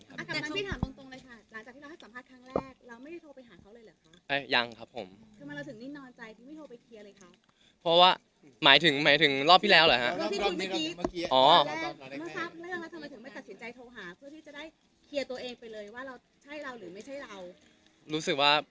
กรรมตรงตรงเลยค่ะหลังจากที่เราให้สัมภาษณ์กันแรกเราไม่ได้โทรไปหาเขาเลยเหรอคะ